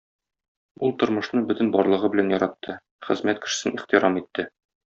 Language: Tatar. Ул тормышны бөтен барлыгы белән яратты, хезмәт кешесен ихтирам итте.